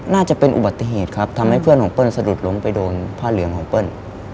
น่าจะเป็นอุบัติเหตุครับทำให้เพื่อนของเปิ้ลสะดุดล้มไปโดนผ้าเหลืองของเปิ้ล